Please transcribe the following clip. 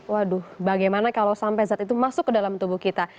waduh bagaimana kalau sampai zat itu masuk ke dalam tubuh kita